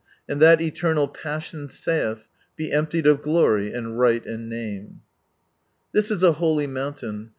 And that eternal Passion saitb, Be emptied of g'ory and right and name," This is 3 lioly mountain.